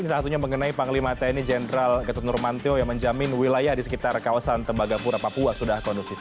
salah satunya mengenai panglima tni jenderal gatot nurmantio yang menjamin wilayah di sekitar kawasan tembagapura papua sudah kondusif